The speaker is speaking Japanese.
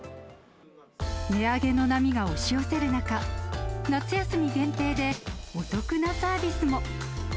値上げの波が押し寄せる中、夏休み限定でお得なサービスも。